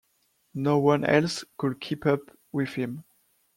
No-one else could keep up with him.